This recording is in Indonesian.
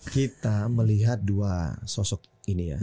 kita melihat dua sosok ini ya